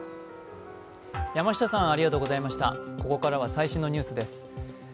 ここからは最新のニュースです。